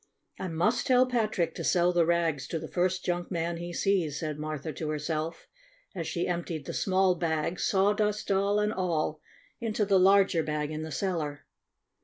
"I must tell Patrick to sell the rags to the first junk man he sees," said Martha to herself, as she emptied the small bag, Sawdust Doll and all, into the larger bag in the cellar.